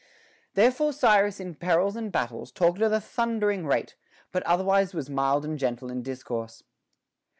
Therefore Cyrus in perils and battles talked at a thundering rate, but otherwise was mild and gentle in dis course.